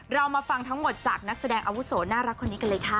เรามาฟังทั้งหมดจากนักแสดงอาวุโสน่ารักคนนี้กันเลยค่ะ